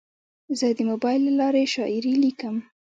زه د موبایل له لارې شاعري لیکم.